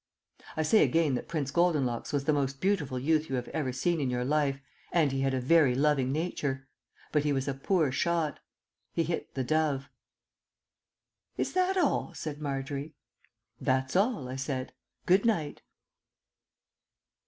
I say again that Prince Goldenlocks was the most beautiful youth you have ever seen in your life, and he had a very loving nature. But he was a poor shot. He hit the dove.... "Is that all?" said Margery. _"That's all," I said. "Good night."